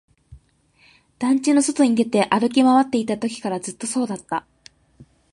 団地の外に出て、歩き回っていたときからずっとそうだった